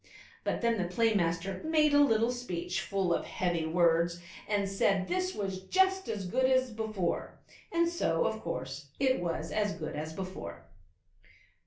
But then the Play master made a little speech, full of heavy words, and said this was just as good as before and so, of course, it was as good as before.